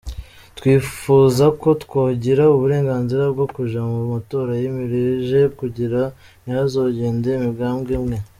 Twipfuza ko twogira uburenganzira bwo kuja mu matora yimirije kugira ntihazogende umugambwe umwe.